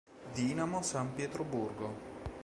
Dinamo San Pietroburgo